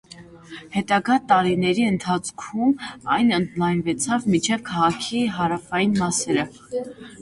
Հետագայ տարիներու ընթացքին ան ընդլայնեցաւ մինչեւ քաղաքի հարաւային մասերը։